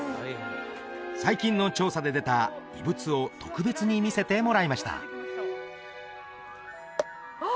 最近の調査で出た遺物を特別に見せてもらいましたあ！